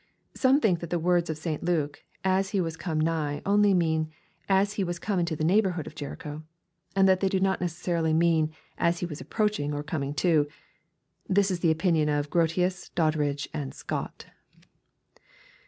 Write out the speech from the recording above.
Some think that the words of St. Luke, " as He was come nigh," only mean, " as He was in the neighborhood of Jericho, and that they do not necessarily mean, " as He was approaching, or coming to." This is the opinion of Grotius, Doddridge, and Scott.